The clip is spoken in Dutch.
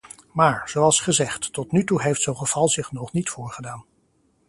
Maar, zoals gezegd, tot nu toe heeft zo'n geval zich nog niet voorgedaan.